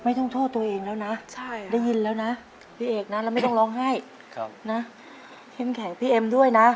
โทษตัวเองแล้วนะได้ยินแล้วนะพี่เอกนะแล้วไม่ต้องร้องไห้เข้มแข็งพี่เอ็มด้วยนะ